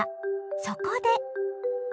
そこで。